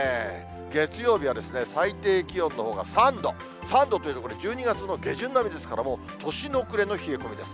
月曜日は最低気温のほうが３度、３度というとこれ、１２月の下旬並みですから、もう、年の暮れの冷え込みです。